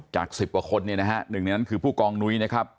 จาก๑๐กว่าคนหนึ่งในนั้นคือผู้กองนุ้ยนะครับ